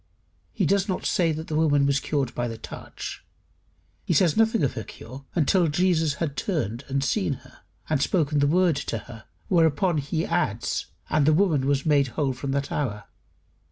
He does not say that the woman was cured by the touch; he says nothing of her cure until Jesus had turned and seen her, and spoken the word to her, whereupon he adds: "And the woman was made whole from that hour."